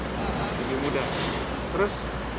lebih mudah terus